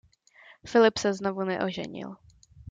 Filip se znovu neoženil.